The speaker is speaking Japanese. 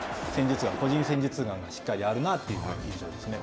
個人戦術眼がしっかりあるという印象ですね。